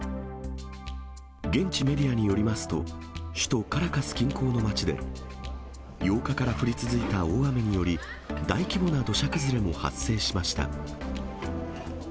現地メディアによりますと、首都カラカス近郊の町で、８日から降り続いた大雨により、大規模な土砂崩れも発生しました。